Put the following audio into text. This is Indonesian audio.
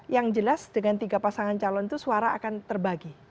yang jelas dengan tiga pasangan calon itu suara akan terbagi